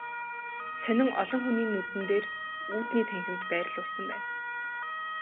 Сонин олон хүний нүдэн дээр үүдний танхимд байрлуулсан байна.